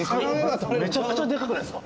めちゃくちゃでかくないですか。